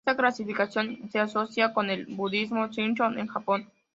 Esta clasificación se asocia con el budismo Shingon en Japón.